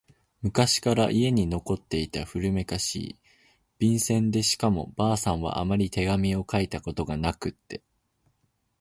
昔から家に残っていた古めかしい、便箋でしかも婆さんはあまり手紙を書いたことがなくって……